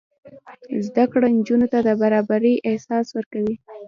زده کړه نجونو ته د برابرۍ احساس ورکوي.